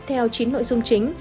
theo chín nội dung chính